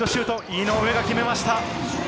井上が決めました。